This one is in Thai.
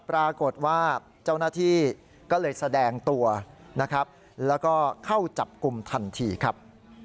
ปรากฏว่าเจ้าหน้าที่ก็เลยแสดงตัวนะครับแล้วก็เข้าจับกลุ่มทันทีครับ